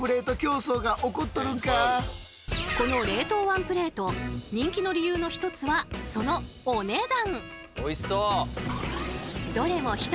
この冷凍ワンプレート人気の理由の一つはそのお値段！